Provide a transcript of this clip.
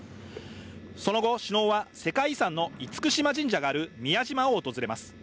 その後、首脳は世界遺産の厳島神社がある宮島を訪れます。